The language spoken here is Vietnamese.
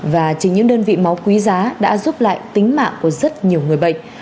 và chỉ những đơn vị máu quý giá đã giúp lại tính mạng của rất nhiều người bệnh